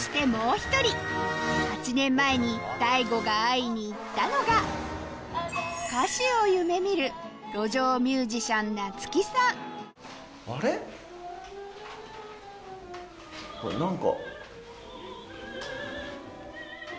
８年前にＤＡＩＧＯが会いに行ったのが歌手を夢見る路上ミュージシャン何か。